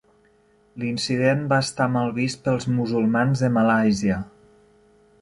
L'incident va estar mal vist pels musulmans de Malàisia.